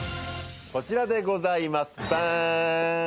こちらでございます、バーン！